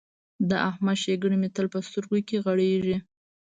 د احمد ښېګڼې مې تل په سترګو کې غړېږي.